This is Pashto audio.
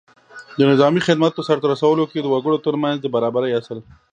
د نظامي خدمت په سرته رسولو کې د وګړو تر منځ د برابرۍ اصل